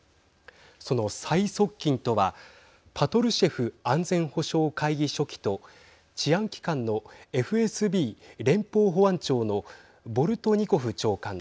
その最側近とはパトルシェフ安全保障会議書記と治安機関のＦＳＢ＝連邦保安庁のボルトニコフ長官。